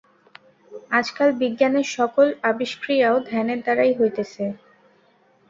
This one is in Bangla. আজকাল বিজ্ঞানের সকল আবিষ্ক্রিয়াও ধ্যানের দ্বারাই হইতেছে।